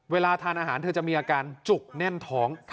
เวลาทานอาหารเธอจะมีอาการจุกแน่นท้อง